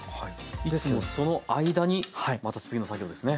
その間にまた次の作業ですね。